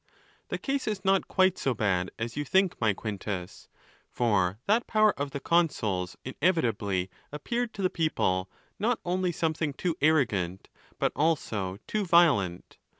—The case is not quite so bad as you think, my Quintus; for that power of the consuls inevitably appeared to the people not only something too arrogant, but also too violent.